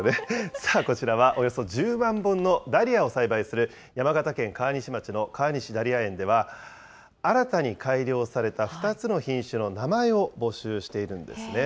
さあ、こちらはおよそ１０万本のダリアを栽培する、山形県川西町の川西ダリヤ園では、新たに改良された２つの品種の名前を募集しているんですね。